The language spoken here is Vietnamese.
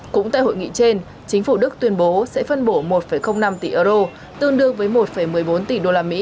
cũng tại hội nghị trên chính phủ đức tuyên bố sẽ phân bổ một năm tỷ euro